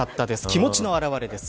気持ちの表れです。